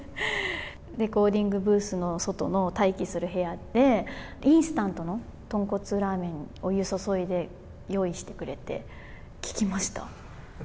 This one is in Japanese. レコーディングブースの外の待機する部屋で、インスタントの豚骨ラーメン、お湯注いで用意してくれて、効きました。